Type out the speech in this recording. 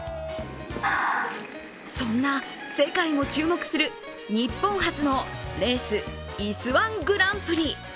そんな世界も注目する日本発のレース、いす−１グランプリ。